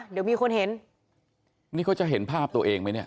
เดี๋ยวมีคนเห็นนี่เขาจะเห็นภาพตัวเองไหมเนี่ย